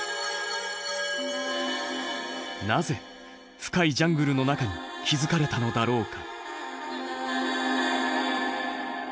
なぜ深いジャングルの中に築かれたのだろうか？